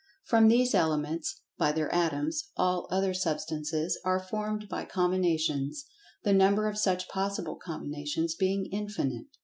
From these Elements (by their Atoms) all other substances are formed by combinations, the number of such possible combinations being infinite.